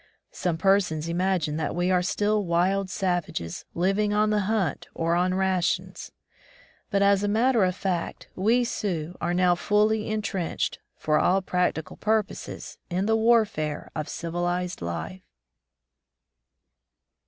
Some persons imagine that we are still wild savages, living on the hunt or on rations ; but as a matter of fact, we Sioux are now fully entrenched, for all practical purposes, in the warfare of civilized life.